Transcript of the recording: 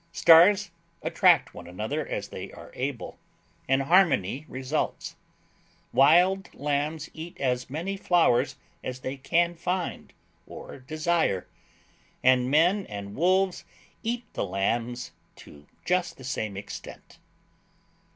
Stars attract one another as they are able, and harmony results. Wild lambs eat as many wild flowers as they can find or desire, and men and wolves eat the lambs to just the same extent.